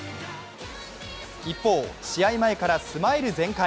一方、試合前からスマイル全開。